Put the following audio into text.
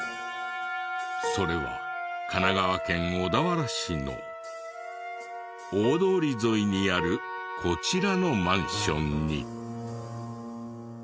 それは神奈川県小田原市の大通り沿いにあるこちらのマンションに。